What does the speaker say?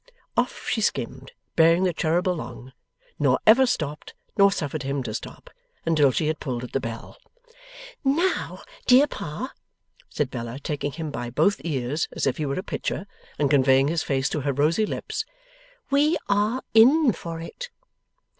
Off she skimmed, bearing the cherub along, nor ever stopped, nor suffered him to stop, until she had pulled at the bell. 'Now, dear Pa,' said Bella, taking him by both ears as if he were a pitcher, and conveying his face to her rosy lips, 'we are in for it!